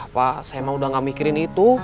pak saya emang udah gak mikirin itu